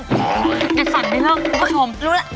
จริงมึงสันไม่เลิกคุณผู้ชมรู้ป่ะ